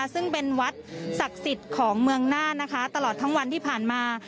ซึ่งเป็นวัดศักดิ์สิทธิ์ของเมืองน่านนะคะตลอดทั้งวันที่ผ่านมา